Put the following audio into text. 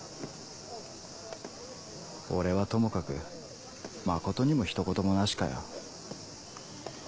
俺はともかく真琴にもひと言もなしかよ。